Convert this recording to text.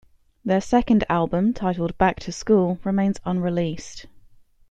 Their second album, titled "Back to School", remains unreleased.